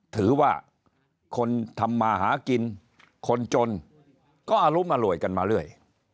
ถือว่าคนทำมาหากินคนจนก็อรุมอร่วยกันมาเรื่อย